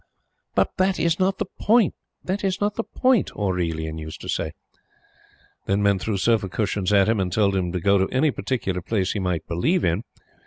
"But that is not the point that is not the point!" Aurelian used to say. Then men threw sofa cushions at him and told him to go to any particular place he might believe in.